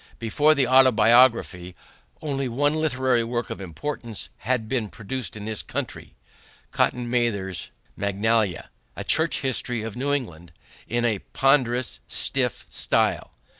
Before the Autobiography only one literary work of importance had been produced in this country Cotton Mather's Magnalia, a church history of New England in a ponderous, stiff style.